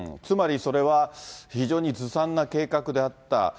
つまりそれは非常にずさんな計画であった。